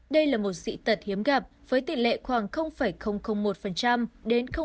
đây là một dị tật hiếm gặp với tỷ lệ khoảng một đến